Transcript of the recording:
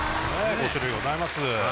５種類ございます。